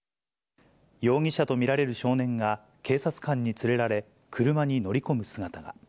容疑者と見られる少年が、警察官に連れられ、車に乗り込む姿が。